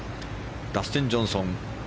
ダスティン・ジョンソン。